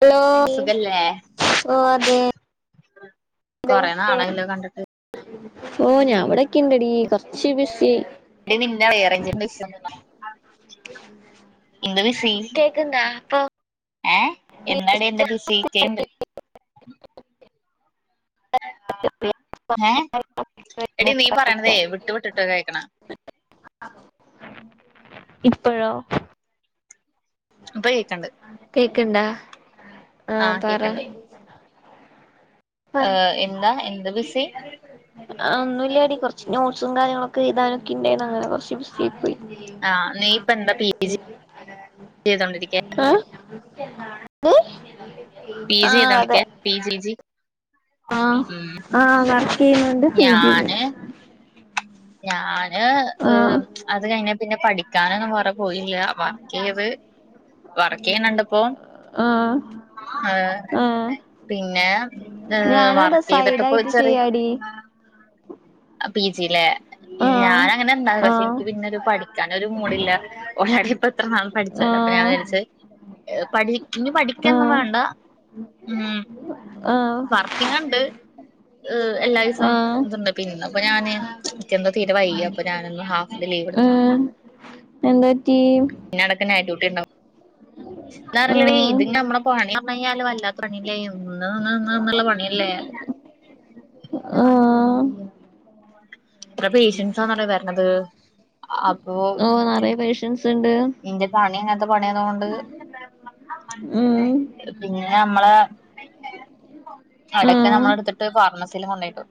Hello സുഖല്ലേ ഓ അതെ കൊറെ നാളായല്ലോ കണ്ടിട്ട് ഓഹ് ഞാൻ ഇവിടെക്കെ ഇണ്ടടീ കൊറച്ച് ബിസി [unintelligible] എന്ത് വിസി കേക്ക്ണ്ടാ അപ്പൊ ഏഹ് എന്താണ് ന്റെ വിസി ണ്ട് ഏ എടി നീ പറയണതേ വിട്ട് വിട്ടിട്ട് കേൾക്കണ ഇപ്പോഴോ ഇപ്പ കേക്കണ്ട് കേക്കണ്ടാ ആ ആഹ് പറ കേക്കണ്ട് ആ് പറി എന്താ എന്ത് വിസി ഒന്നുമല്ലടി കുറച്ച് നോട്ടട്സും കാര്യങ്ങളൊക്കെ ക്കെയ്താനൊക്കിണ്ടെന്നു അങ്ങനെ കുറച്ച് ബിസി ആയി പോയി ആ ചെയ്തോണ്ടിരിക്കയ ഏ പി ജിന്നാ വിളിക്ക പി ജി ജി ആ ഉം ആ വർക്ക് ചെയ്യുന്നുണ്ട് പി ജിണ്ട് ഞാന് ഞാന് ആ അത് കഴിഞ്ഞ പിന്നെ പഠിക്കാനന്ന് പറ പോയില്ല വറക്കിയത് വറക്കേന്നണ്ടപ്പോ ആ ആഏ ആ പിന്നെ ഏ ഞാനും അതെ വർക്ക് ചെയ്തിട്ടപ്പ സൈഡായിട്ട് ചെറിയ ചെയ്യാടി പി ജിയിലെ ആ ഞാന അങ്ങനെ എന്താ ആ പക്ഷെ എനിക്ക് പിന്നെരു പഠിക്കൻ ഒരു മൂഡില്ല ഒരാടി പത്ര നാൾ ആ പഠിച്ചത് അപ്പൊ ഞാൻ വിളിച്ചത് പഠി ഇനി പഠിക്കന്നും വേണ്ട ഉം ആഹ എങ്ങനെണ്ട് ഏ എല്ലാ ദിവസം ആഹ് ഇതുണ്ട് പിന്നെപ്പോ ഞാന് ക്ക് എന്താ തീരെ വയ്യ അപ്പൊ ഞാനൊന്ന് ഹാഫ് ഡേ ലീവ് എടുത്തു എന്തറ്റി പിന്നെ എടക്ക് നൈറ്റ്‌ ഡ്യൂട്ടി ഉണ്ടാവും ഇതിലേറെ നല്ലത് ആഹ് ഇതി നമ്മളെ പണി എന്തായാലും വല്ലാത്ത പണില്ലേ നിന്ന് നിന്ന് നിന്നുള്ള പണില്ലേ ആഹ എത്ര പേഷ്യൻസാന്നാറിയോ വരണത് അപ്പോ അപ്പൊ നെറയെ പേശന്റ ൻസ് ഉണ്ട് ഇന്റെ പണി അങ്ങനത്തെ പണിയന്നുകൊണ്ട് ഉം പിന്നെ നമ്മളെ, അടക്ക് ആഹ് നമ്മളെ എടുത്തിട്ട് ഫാർമസിൽ കൊണ്ടയിട്ടു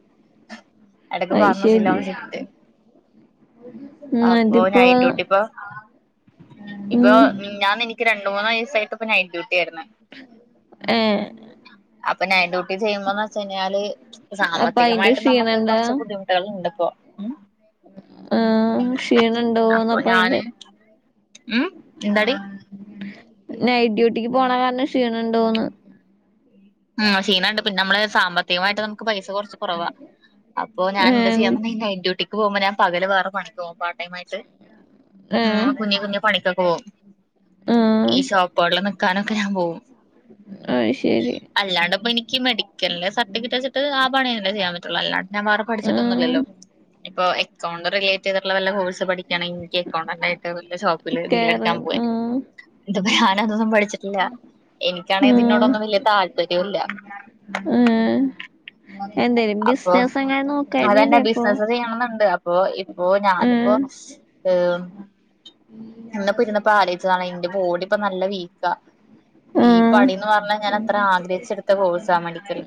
എടക്ക് അത് ശരി ഫാർമസിയിലആവും ഷിഫ്റ്റ്‌ ഉം അപ്പോ അതിപ്പോ നൈറ്റ്‌ ഡ്യൂട്ടി ഇപ്പൊ ഇപ്പൊ ഉം ഞാ ഇന്ന് ഇൻക് രണ്ട മൂന്ന ദിവസട്ട്പ്പഡ്യട്ടി ആയിരുന്നു ഏ അപ്പൊ നൈറ്റ് ഡ്യൂട്ടി ചെയ്യുമ്പോന്ന് വെച്ചഞ്ഞാല് അപ്പൊ അയിന്റെ സാമ്പത്തികമായിട്ട് നമ്മുക്ക് ക്ഷീണണ്ടാ കുറച്ച് ബുദ്ധിമുട്ട ആത് ഇണ്ട് ഇപ്പൊ ആ ക്ഷീണ അപ്പൊ ഉണ്ടോന്നപ്പ ഞാന് അയിന്റെ ഉം എന്താടി നൈറ്റ് ഡ്യൂട്ടിക്ക് പോണ കാരണം ക്ഷീണംണ്ടആകുന്നു ഉം ക്ഷീണണ്ട് പിന്നെ അമ്മള് സാമ്പത്തികമായിട്ട് നമുക്ക് പൈസ കുറച്ച് കുറവാ അപ്പോ ഞാന് ഇന്ന് സി ഏഹ് എം കയിഞ്ഞ് നൈറ്റ്‌ ഡ്യൂട്ടി പോകുമ്പോ ഞാൻ പകല് വേറെ പണി പോകും പാർട്ട് ടൈം ആയിട്ട് ഉം ഏഹ് കുഞ്ഞു കുഞ്ഞഞ് പണിക്കൊക്കെ പോവും ആഹ് ഈ ഷോപ്പേൾ നിക്കാനൊക്കെ ഞാൻ പോവും ആഹ ശരി അല്ലാണ്ട് ഇപ്പ എനിക്ക് മെഡിക്കലിന്റെ സർട്ടിഫിക്കറ്റ് വച്ട്ട് ആ പണിന്നെ ചെയ്യാൻ പറ്റുള്ള അല്ലാണ്ട് ഞാൻ വേറെ ആഹ് പഠിച്ചിട്ടൊന്നുല്ലല്ലോ ഇപ്പൊ എക്കൗണ്ട് റിലേറ്റ് ചെയ്തിട്ടുള്ള വല്ല കോഴ്സ് പഠിക്കയാണെങ്ക എനിക്ക് എക്കൗണ്ടായിട്ട്ല്ല ജോ ബിലടിക്കാൻ ഞാൻ കേറാൻ പോയ് ആഹ് ഇന്തപ്പോ ഞാന അതൊന്നും പഠിച്ചിട്ടില്ല എനിക്കാണെങ്ക ഇന്നോടൊന്നും വലിയ താല്പര്യല്ല ആഹ് എന്തേലും അപ്പൊ ബിസിനസ് അങ്ങനെ നോക്കായിരുന്നില്ലേ അതന്നെ അപ്പൊ ബിസിനസ് ചെയ്യണംന്നുണ്ട് അപ്പൊ ഓ ഞാനിപ്പോ ഉം ഏഹ് ഇന്ന്പ്പൊ ഇര്ന്ന്പ്പോ ആലോചിച്ചതാണ് ഇന്റെ ബോഡി ഇപ്പൊ നല്ല വീക്കാ ഈ ആഹ് പണീന്ന് പറഞ്ഞാൽ ഞാനത്ര ആഗ്രഹിച്ചെടുത്ത കോഴ്സാ മഡിക്കൽ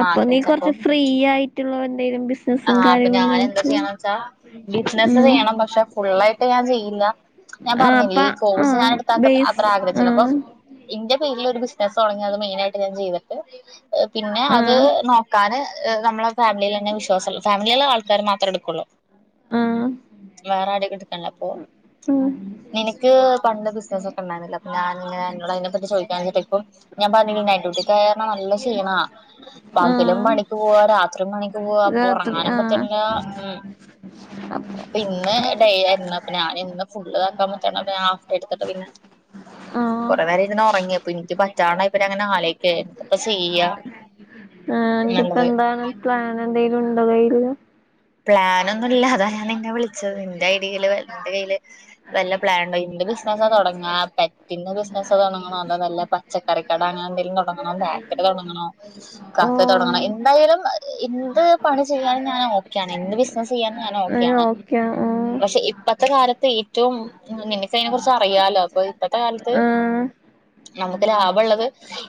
അപ്പൊ നീ കൊറച്ച് ഫ്രീ ആയിട്ടുള്ള എന്തെലും ആ ബിസിനസും അപ്പൊ കാര്യങ്ങളും ഞനെന്താ നോക്ക് ചെയ്യണെവെച്ചാ ബിസിനസ്സ് ഉം വേണം പക്ഷെ ഫുള്ളായിട്ട് ഞാൻ ചെയ്യില്ല ഞാൻ ആഹ് പറഞ്ഞില്ലേ അപ്പ ഈ കോഴ്സ് ആഹ് ഞാനെടുത്ത ബേസ് അത്ര ആഗ്രഹിച്ചില്ല അപ്പൊ ആഹ് ഇന്റെ പേരിലൊരു ബിസിനസ് തുടങ്ങി അത് മെയിനായിട്ട് ഞാൻ ചെയ്തിട്ട് പിന്നെ അത് ആഹ് നോക്കാന് നമ്മളെ ഫാമിലിയിലന്നെ വിശ്വാസള്ള ഫാമിലിയുള്ള ആൾക്കാരരെ മാത്രെ എടുക്കുള്ളൂ ആഹ് വേറെ ആരെ എട്ക്കണില്ല അപ്പോ ഉം നിനക്ക് പണ്ട് ബിസിനസ്സൊക്കെ ഉണ്ടായിന്നല്ലോ? ഞാ നിങ്ങ നിങ്ങളതിനെപ്പറ്റി ചോദിക്കാഞ്ഞിട്ട ഇപ്പം ഞാൻ പറഞ്ഞില്ലേ നൈറ്റ്ഡ്യുട്ടിക്കോയാരണം നല്ല ശീണാ പകലും ആഹ് പണിക്ക് പോവാ രാത്രീം പണി പോവാ രാത്രി ഒറങ്ങാനും ആഹ് പറ്റണില്ലാ ഉം ആഹ് അപ്പൊ ഇന്ന് ഡ ആഹ് ആയിര്ന്നാപ്പിന്നെ ഞാനിന്ന് ഫുള് ആക്കാൻ പറ്റന്നാ ഹാഫ് ഡേ എടുത്തിട്ട് പിന്നെ ആഹ് കൊറെ നേരം ഇരുന്നു ഒറങ്ങിയ അപ്പൊ എനിക്ക് പറ്റാണ്ടായപ്പ ഞാങ്ങനെ ആലോയ്ക്കാര്ന്ന് പ്പൊ ശെയ്യാ ആഹ് എന്നിട്ടിപ്പ എന്താണ് പ്ലാൻ എന്തേലും ഉണ്ടോ കയില് പ്ലാനൊന്നുല്ല അതാ ഞാൻ നിന്നെ വിളിച്ചത് നിന്റെ ഐടിയില് നിന്റെ കയ്യില് വല്ല പ്ലാൻണ്ടോ ഇന്റെ ബിസിനസ് തുടങ്ങാ പെറ്റിന്റെ ബിസിനസ്സ് തുടങ്ങ പറഞ്ഞാ വല്ല പച്ചക്കറിക്കട അങ്ങനെ എന്തെങ്കിലും തൊടങ്ങണോ ബാക്കറി തൊടങ്ങണോ? കഫേ ഓഹ് തൊടങ്ങണോ എന്തായാലും എന്ത് പണി ചെയ്യാനും ഞാൻ ഓ ക്കെയാണ് എന്ത്‌ ബിസ്നസെയ്യാനും ഞാൻ ഏഹ് ഓക്കെയാണ് ഓക്കെ ആഹ് പ്രശ് ക്ഷെ ഇപ്പത്തെ കാലത്ത് ഏറ്റവും നിനക്ക് അതിനെ കുറിച്ച് അറിയാലോ അപ്പൊ ഇപ്പത്തെ കാലത്ത് ആഹ് നമുക്ക് ലാഭള്ളത്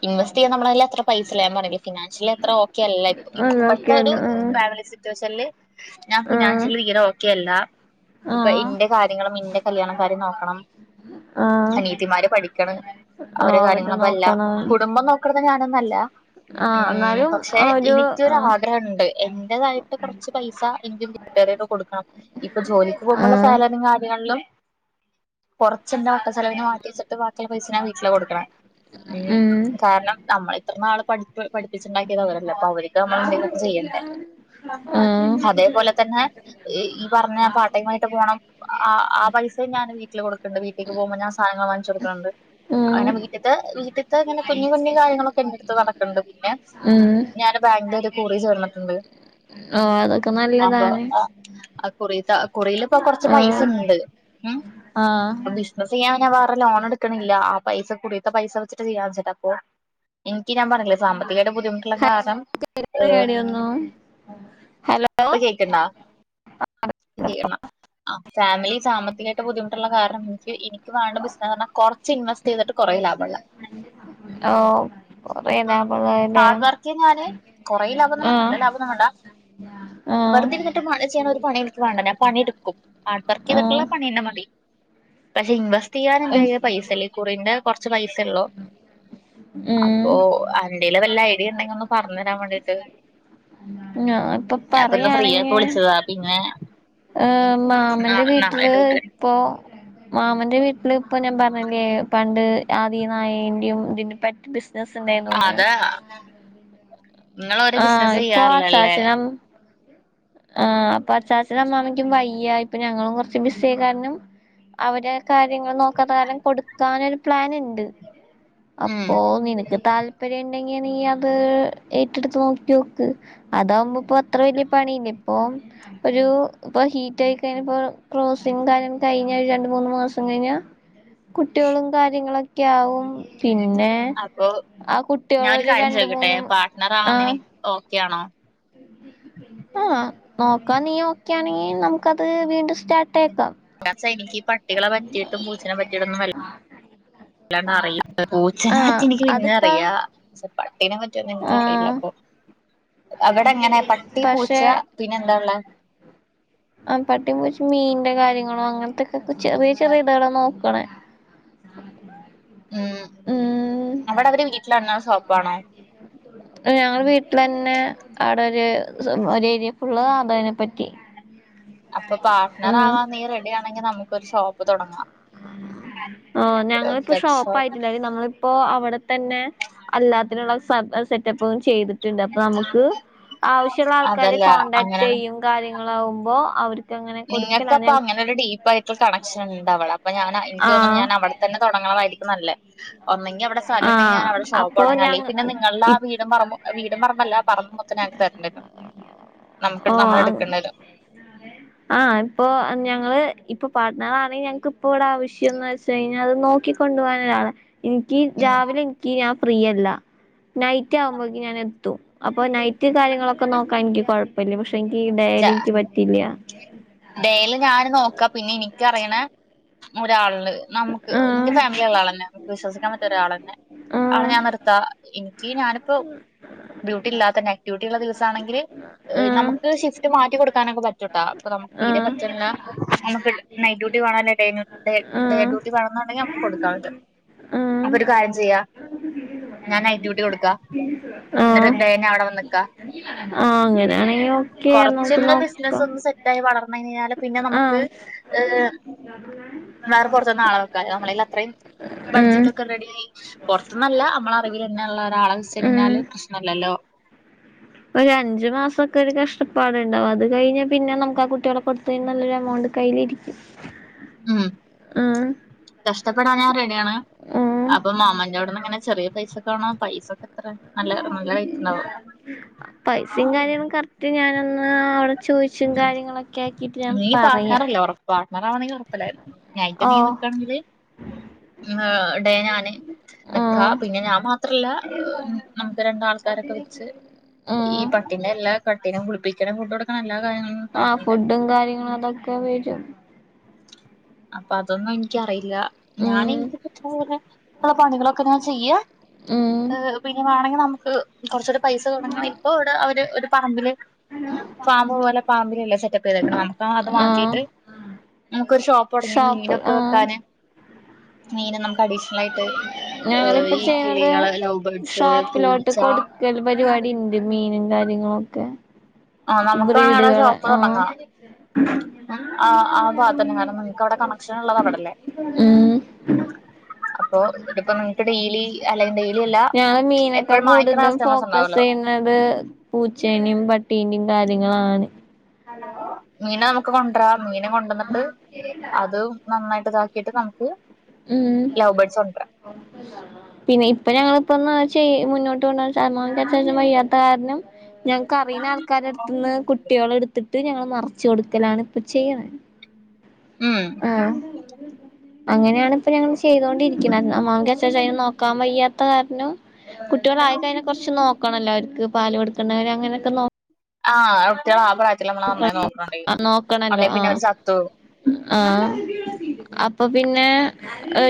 ഇൻവെസ്റ്റ് ചെയ്യാൻ നമ്മെളെ കയ്യിൽ അത്ര പൈസല്ല ഞാൻ പറഞ്ഞില്ലി ഫിനാൻഷ്യൽ എത്ര ഓക്കെ അല്ല ഇ അത് ഇപ്പോഴത്തെ ഒരു ഓക്കെന്നെ ആഹ് ഫാമിലി സിറ്റുവേഷനില് ഞാൻ ആഹ് ഫിനാൻഷ്യലി തീരെ ഓക്കെ അല്ല ഇപ്പൊ ആഹ് ഇന്റെ കാര്യങ്ങളും ഇന്റെ കല്യാണം കാര്യം നോക്കണം ആഹ് അനിയത്തിമാര് പഠിക്കണ് ആഹ് അവരെ അവര് കാര്യങ്ങളപ്പ എല്ലാ നോക്കണം കുടുംബം നോക്കണത് ഞാനൊന്നുംല്ല ആഹ് ഉം എന്നാലും പക്ഷെ ഒരു ആഹ് എനിക്കൊരാഗ്രഹംണ്ട് എന്റേതായിട്ട് കൊറ ച്ച് പൈസ എനിക്ക് വീട്ടുകാർക്ക് കൊടുക്കണം ഇപ്പൊ ജോലിക്ക് പോകുമ്പോള്ള ആഹ് സാലറിം കാര്യങ്ങളിലും. കൊറച്ചന്താ അസ് ചെലവിന് മാറ്റി വെച്ചിട്ട് ബാക്കിയുള്ള പൈസ ഞാ വീട്ടില കൊടുക്കണെ ഉം കാരണം നമ്മള് ഇത്ര നാള് പഠിപ്പി പഠിപ്പിച്ചിണ്ടാക്കിയത് അവരല്ലെ അപ്പൊ അവര്ക്ക് നമ്മളെന്തെങ്കിലുംക്കെ ചെയ്യണ്ടേ ഉം അതേപോലെ തന്നെ ഈ പറഞ്ഞ പാർട്ടയിമായിട്ട് പോണം ആ ആ പൈസയും ഞാൻ വീട്ടില് കൊടുക്കണ്ട് വീട്ടേക്ക് പോകുമ്പോ ഞാൻ സാധനങ്ങൾ വാങ്ങിച് കൊടുക്കുന്നുണ്ട് ഉം അങ്ങനെ വീട്ട്ത്തെ വീട്ട്ത്തെ ഇങ്ങനെ കുഞ്ഞു കുഞ്ഞു കാര്യങ്ങളൊക്കെ എന്റടുത് നട എന്ത്ണ്ട് പിന്നെ ഉം ഞാന് ബാങ്കിലൊരു കൂറി ചേർന്നിട്ടുണ്ട് ഓ അതൊക്കെ അപ്പൊ നല്ലതാണ് ആ കുറി താ കുറീല് ഇപ്പൊ കുറച്ച് ആഹ് പൈസണ്ട് ഉം ആഹ് ബിസിനസ്സ് ചെയ്യാൻ വേറെ ലോൺ എടുക്കണില്ല ആ പൈസ കുറിയത്തെ പൈസ വച്ചിട്ട് ചെയ്യാൻ വെച്ചിട്ട അപ്പൊ എൻക്ക് ഞാൻ പറഞ്ഞില്ലെ സാമ്പത്തികായിട്ട് ബുദ്ധിമുട്ടുള്ള കാരണം കേക്കാൻ ഏഹ് വയ്യാടീ ഒന്നും ഹലോ ഇപ്പ കേക്ക്‌ന്നാ കേ എന്ന ആ ഫാമിലി സാമ്പത്തികായിട്ട് ബുദ്ധിമുട്ടുള്ള കാരണം എനിക്ക് വേണ്ട ബിസിനസ്സ് പറഞ്ഞാ കുറച്ച് ഇൻവെസ്റ്റ് ചെയ്തിട്ട് കുറേ ലാഭണ്ടാക്ക ഓ കൊറേ ലാഭള്ളേല്ലെ ഹാർഡ് വർക്ക് ഞാന് കുറേ ആ വെർതെ ഇര്ന്ന്ട്ട് [unintelligible] ചെയ്യാൻ ഒരു പണി ഇൻക്ക് വാണ്ട ഞാ പണിടുക്കും ഹാർഡ് വർക്ക്യ്തിട്ടുള്ള ആഹ് പണി ന്നെ മതി പക്ഷെ ഇൻവെസ്റ്റ്യ്യാൻ ഉം ൻ്റയ്യിൽ പൈസല്ല കുറിന്റെ കോറച്ച് പൈസള്ളൂ ഉം പ്പോ അന്റയില് വല്ല ഐഡിയ ണ്ടെങ്കി ഒന്ന് പറഞ്ഞരാൻ വേണ്ടീട്ട് ഞാൻ ഇപ്പൊ ഞാൻപ്പൊ ഇന്ന് ഫ്രീ ആയപ്പോ വിളിച്ചതാ പിന്നെ പറയാണെങ്കിഏഹ് മാമന്റെ നാളെ നാളെ വീട്ടില് ഡ്യൂട്ടി പ്പോ മാമന്റെ വീട്ടില് ഇപ്പൊ ഞാൻ പറഞ്ഞ്ല്ലേ പണ്ട് ആദ്യ നായന്റെീം ഇതിൻ്റീം പേറ്റ് ബിസ് നസ്സ് ണ്ടായിന്നുന്ന് അതാ നിങ്ങള് ഒരു ആഹ് ബിസിനസ് ഇപ്പൊ ചെയ്യാറില്ലല്ലേ അച്ഛാചനും ആഹ് അപ്പ അച്ചാച്ചനും അമ്മാമയ്ക്കും വയ്യ ഇപ്പൊ ഞങ്ങളും കോറച്ച് ബിസ്സി ആയ കാരണം അവരെ കാര്യങ്ങള് നോക്കാത്ത കാരണം കൊട്ക്കാനൊരു പ്ലാന് ണ്ട് ഉം അപ്പോ നിനക്ക് താൽ - പര്യാ ണ്ടെങ്കി നീ അത് ഏറ്റെടുത്ത് നോക്ക്യേക്ക് അതകുമ്പോ പ്പൊ അത്ര വല്യ പണില്ല ഇപ്പൊ ഒരു ഇപ്പൊ ഹീറ്റ് ആയി കയ്ഞ്ഞാപ്പോ ക്രോസും കാര്യം കയ്ഞ്ഞാ ഒരു രണ്ട് മൂന്ന് മാസം കയ്ഞ്ഞ- [inaudible] കുട്ട്യാളും കാര്യങ്ങളൊക്കെ ആവും പിന്നെ അപ്പൊ ആ ഞാൻ കുട്ട്യാളേ ഒരു ഒര് കാര്യം രണ്ട് ചോദിക്കട്ടെ മൂന്ന് പാർട്ട്ണർ ആവാൻ ആ നിനക്ക് ഓക്കെ ആണോ ആഹ് നോക്കാ നീ ഓക്കേ ആണെങ്കി നമുക്കത് വീണ്ടും സ്റ്റാർട്ട് ആക്കാം സ എനിക്ക് ഈ പട്ടികളെ പറ്റിയിട്ടും പൂച്ചേനെ പറ്റിയിട്ടൊന്നും വല്- വല്ലാണ്ട് അറില പൂച്ചനാറ്റി ആഹ് എനിക്ക് പിന്നെം അതിപ്പ അറിയ പക്ഷെ പട്ടീനെ പറ്റിയൊന്നും എനിക്കറിയില്ല ആഹ് പ്പൊ അവെടെ എങ്ങനെ പട്ടി പൂച്ച പക്ഷെ പിന്നെ എന്താള്ളേ ആ പട്ടിം പൂച്ചിം മീന്റെ കാര്യങ്ങളോ അങ്ങനത്തൊക്കെ ചെറിയ ചെറിയ ഇതാണ് നോക്കണേ ഉം ഉം അവടെ അവര് വീട്ടിലാണോ ഷോപ്പാണോ ഞങ്ങൾ വീട്ടിലന്നെ അവിടെ ഒരു ഒരു ഏരിയ ഫുള്ള അതിനെ പറ്റി അപ്പൊ പാർട്ട്ണർ ഉം ആവാ നീ റെഡി ആണെങ്കി നമ്ക്കോരു ഷോപ്പ് തോടങ്ങാ ഓ ഞങ്ങളിപ്പോ ഷോപ്പ് ഷോപ്പായിറ്റ് നമ്മളിപ്പോ അവിടെ തന്നെ അല്ലാത്തിനുള്ള സ സെറ്റപ്പും ചെയ്തിട്ട് ണ്ട് അപ്പ നമുക്ക് ആവശ്യള്ള ആൾക്കാര് അതല്ല കോൺടാക്ട് ചെയ്യും കാര്യങ്ങളാകുമ്പോ അവർക്ക് അങ്ങനെ നിങ്ങക്ക് കൊടുക്കലാണ് അപ്പൊ ഞ അങ്ങനെരു ടി - പയിട്ടുള്ള കണക്ഷൻ ണ്ട് അവളെ അപ്പൊ ഞാൻ എനിക്ക് തോന്നുന്നു ആഹ് ഞാൻ അവിടെ തന്നെ തോടങ്ങണതായിരിക്കും നല്ലേ ഒന്നെങ്കി അവടെ സ്ഥലംണ്ടെങ്കി ആഹ് ഞാൻവിടെ അപ്പൊ ഷോപ്പ്ടോങ്ങാ അല്ലേയ് ഞങ്ങ പിന്നെ നിങ്ങൾടെ ആ ഇ വീടും പറമ്പും വീടും പറമ്പല്ല പറബോക്കെ ഞങ്ങക്ക് തരണ്ടരും നമ്മക്ക് ഓ നമ്മഎടുക്കണ്ടരും ആഹ് ഇപ്പോ ഞങ്ങള് ഇപ്പൊ പാട്ട്നറാണെങ്കിൽ ഞങ്ങക്ക് ഇപ്പോ ഇവിടെ ആവശ്യംന്ന് വച്ച [unintelligible] അഹ് നോക്കികോണ്ടു പോകാനൻ ഒരാള എനിക്ക് ഉം രാവിലെ എനിക്ക് ഞാൻ ഫ്രീയല്ല നൈറ്റ് ആവ്മ്പോയ്ക്ക് ഞാനെത്തും അപ്പൊ നൈറ്റ് കാര്യങ്ങളൊക്കെ നോക്കാൻ ഇൻക്കി കോയപ്പല്ല പക്ഷെ അപ്പോനിക്ക് ഈ ഡയലിൻക്കി പറ്റില്ല ഡേൽ ഞാൻ നോക്കാ പിന്നെ എനിക്കറിയണ ഒരാള് നമുക്ക് എന്റെ ആഹ് ഫാമിലിള്ള ആളന്നെ നമുക്ക് വിശ്വസിക്കാൻ പറ്റിയ ഒരാളേന്നെ ആള ആഹ് ഞാൻ നിർത്ത എനിക്ക് ഞാനിപ്പോ ഡ്യൂട്ടി ഇല്ലാത്ത നൈറ്റ് ഡ്യൂട്ടി ഉള്ള ദിവസം ആണെങ്കില് ആഹ് നമുക്ക് ഷിഫ്റ്റ് മാറ്റികൊടുക്കാനൊക്കെ പറ്റൂട്ടൊ അപ്പൊ നമു തീരെ ആഹ് പറ്റണില്ല നമുക്ക് നൈറ്റ് ഡ്യൂട്ടി കാണല്ലേ ഡേ ഡേ ആഹ് ഡ്യൂട്ടി വേണോന്നുണ്ടെങ്കി നമുക്ക് കൊടുക്കാൻ പറ്റും ആഹ് അപ്പൊ ഒരു കാര്യം ചെയ്യാം ഞാൻ നൈറ്റ് ഡ്യൂട്ടി കൊടുക്കാം എന്നിട്ട് ആഹ് ഡേന്നെ അവിടെ വന്ന് നിക്കാം ആഹ് അങ്ങനെയാണെങ്കി ഓക്കെ നമുക്ക് കൊറച്ചൊന്ന് ബിസിനസ്‌ നോക്കാം ഒന്ന് സെ ഇതായി വളർന്ന് കഴിഞ്ഞാല് പിന്നെ നമുക്ക് ആഹ് ഏഹ് വേറെ പുറത്തൂന്ന് ആളെ വെക്കാൻ നമ്മളയിൽ അത്രയും ബഡ്ജറ്റ് ഉം ഒക്കെ റെഡി പുറത്തൂന്നല്ല നമ്മളെ അറിവിലന്നെയുള്ള ഒരാളെ വെച്ച് കഴിഞ്ഞാല് ഉം പ്രശ്നമില്ലല്ലോ ഒരു അഞ്ചു മാസൊക്കെ ഒരു കഷ്ടപ്പാടുണ്ടാവും അത് കഴിഞ്ഞാ പിന്നെ നമുക്ക് ആഹ് കുട്ടികളുക്ക് കൊടുത്ത് കഴിഞ്ഞാ നല്ലൊരു എമൗണ്ട് കയ്യിലിരിക്കും ഉം ആഹ് കഷ്ടപ്പെടാൻ ഞാൻ റെഡിയാണ് ഉം അപ്പൊ മാമന്റെ അവിടുന്ന് ഇങ്ങനെ ചെറിയ പൈസക്ക് ആണ് പൈസൊക്കെ നല്ല നല്ല റേറ്റുണ്ടാവും പൈസയും കാര്യങ്ങളും കറക്റ്റ് ഞാനൊന്ന് അവിടെ ചോദിച്ചും കാര്യങ്ങളൊക്കെ ആക്കിയിട്ട് ഞാൻ നീ പറയാം പാർട്ണറല്ലേ ഉറപ്പ് പാർട്ണർ ആവണെങ്കിൽ കൊഴപ്പില്ലാരുന്നു നൈറ്റ്‌ എന്തേലും ഓഹ് നിക്കണെങ്കില് ആഹ് ഡേ ഞാന് നിക്കാ ഉം പിന്നെ ഞാൻ മാത്രല്ല നമുക്ക് രണ്ട് ആൾക്കാരൊക്കെ വെച്ച് ആഹ് പിന്നെ എല്ലാ പട്ടീനേ കുളിപ്പിക്കണം ഫുഡുകൊടുക്കണം എല്ലാ കാര്യങ്ങളും ആഹ് നോക്കണ്ടേ ഫുഡും കാര്യങ്ങളും അതൊക്കെ വരും അപ്പൊ അതൊന്നും എനിക്കറിയില്ല ഞാൻ ഉം എനിക്ക് കിട്ടണ പോലെ ഉള്ള പണികളൊക്കെ ഞാൻ ചെയ്യാ ഉം പിന്നെ വേണെങ്കി നമുക്ക് കുറച്ചൂടി പൈസ തുടങ്ങ ഇപ്പൊ ഇവിടെ അവര് ഒരു പറമ്പില് ഫാമ് പോലെ ഫാമിലല്ലെ സെറ്റപ്പ് ചെയ്തേക്കണേ നമുക്ക് അത് ആഹ് മാറ്റീട്ട് നമുക്കൊരു ഷോപ്പ് തുടങ്ങി ഷോപ്പ് മീനൊക്കെ ആഹ് വെക്കാന് മീന് നമുക്ക് അഡീഷണൽ ആയിട്ട് ഞങ്ങളിപ്പൊ ഈ ചെയ്യുന്നത് കിളികള് ലവ് ബേർഡ്സ് ഷോപ്പിലോട്ട് പൂച്ച കൊടുക്കൽ പരിപാടി ഉ ണ്ട് മീനും കാര്യങ്ങളും ഒക്കെ ആഹ് നമുക്കാണേ അവടെ ഷോപ്പ് ആഹ് തുടങ്ങാം ആഹ് ആഹ് ഭാഗത്തന്നെ കാരണം നിനക്ക് അവിടെ കണക്ഷൻ ഉള്ളത് അവിടല്ലേ ഉം അപ്പൊ ഇപ്പോ നിങ്ങക്ക് ഡെയിലി അല്ലെങ്കിൽ ഡെയിലി അല്ല ഞങ്ങള് എപ്പോഴും വാങ്ങിക്കുന്ന കസ്റ്റമേഴസ് ഉണ്ടാവല്ലോ അത് പൂച്ചേനേം പട്ടീനേം കാര്യങ്ങളാണ് മീന് നമുക്ക് കൊണ്ടരാം മീനെ കൊണ്ടുവന്നിട്ട് അത് നന്നായിട്ട് ഇതാക്കിട്ട് നമുക്ക് ഉം ലവ് ബേഡ്സ് കൊണ്ടരാം പിന്നെ ഇപ്പൊ ഞങ്ങളിപ്പൊ എന്ന് വെച്ചാൽ മുന്നോട്ട് കൊണ്ടുപോണേന്ന് വെച്ചാ അമ്മായുംചാച്ചായ്ക്കും വയ്യാ ത്ത കാരണം ഞങ്ങൾക്കറിയുന്ന ആൾക്കാരെടു കുട്ടികളെ എടുത്തിട്ട് ഞങ്ങള് മറിച്ച് കൊടുക്കലാണ് ഇപ്പൊ ചെയ്യണെ ഉം ആഹ് അങ്ങനെയാണ് ഇപ്പൊ ഞങ്ങൾ ചെയ്തോണ്ടിരിക്കുന്നത് അമ്മാക്ക്ചാച്ചാക്ക് നോക്കാൻ വയ്യാ ത്ത കാരണം കുട്ടികളായി കഴിഞ്ഞാ കുറച്ച് നോക്കണല്ലോ അവർക്ക് പാല് കൊടുക്കണ്ടേ അങ്ങനെയൊക്കെ നോ ആഹ് [unintelligible] നമ്മള് നന്നായി നോക്കണണ്ട് നോക്കണല്ലോ അല്ലെ പിന്നെ അവര് ആഹ് ചത്തു പോകും ആഹ് അപ്പൊ പിന്നെ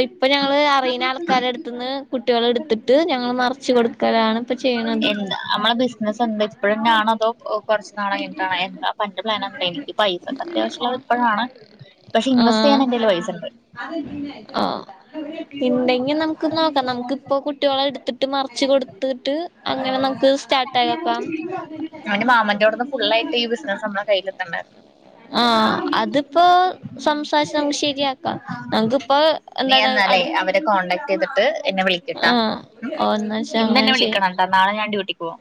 ഇപ്പൊ ഞങ്ങള് അറിയുന്ന ആൾക്കാരടു ത്തുന്ന് കുട്ടികളെ എടുത്തിട്ട് ഞങ്ങൾ മറിച്ച് കൊടു ക്കലാണ് ഇപ്പ ചെയ്യ് എന്ത അമ്മളെ ബിസിനസ്സ് എന്താ ഇപ്പഴന്നെ ആണോ അതോ ഒ കൊറച്ച് നാളയിഞ്ഞിട്ടാണൊ എന്താ ഇപ്പ അന്റെ പ്ലാൻ എന്താ എനിക്ക് പൈസക്ക് അത്യാവശ്യള്ളത് ഇപ്പഴാണ്. പക്ഷെ ഇൻവെസ്റ്റെയ്യാൻ ആഹ് എന്റെല് പൈസണ്ട്. ആഹ് ഇണ്ടെങ്കി നമുക്ക് നോക്കാം. നമുക്ക് ഇപ്പൊ കുട്ടിയോളെ എടുത്തിട്ട് മറിച്ച് കൊട്ത്തിട്ട് അങ്ങനെ നമുക്ക് സ്റ്റാർട്ടായോക്കാം. അവന്റെ മാമൻ്റോട്ന്ന് ഫുള്ളായിട്ട് ഈ ബിസിനസ് നമ്മളെ കയ്യിലെത്ത്ണ്ട്. ആഹ് അത്പ്പോ സംസാരിച്ച് നമ്ക്ക് ശരിയാക്കാം. നമ്ക്ക്പ്പോ നീ എന്നാലേ അവരെ കോണ്ടാക്ട് ചെയ്തിട്ട് എന്നെ വിളിക്ക്ട്ടൊ ആഹ് മ് ഓ എന്നാ വെച്ചാ ഇന്നെന്നെ അങ്ങനെ ചെയ്യാം വിളിക്കണം ട്ടാ നാളെ ഞാൻ ഡ്യൂട്ടിക്ക് പോവും.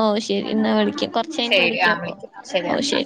ഓ ശരി എന്നാ വിളിക്കാം കൊറച്ച് കഴിഞ്ഞിട്ട് ശരി വിളിക്കാം ആഹ് അപ്പൊ വിളിക്ക് ശരി ആഹ്.